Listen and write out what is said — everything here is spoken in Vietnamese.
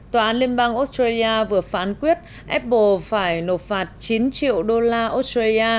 tòa án liên bang australia vừa phán quyết apple phải nộp phạt chín triệu usd